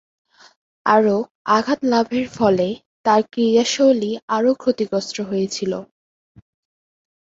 আরও আঘাত লাভের ফলে তার ক্রীড়াশৈলী আরও ক্ষতিগ্রস্ত হয়েছিল।